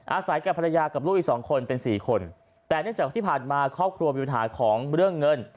อาศัยกับภรรยากับลูกอีกสองคนเป็นสี่คนแต่เนื่องจากที่ผ่านมาครอบครัวมีปัญหาของเรื่องเงิน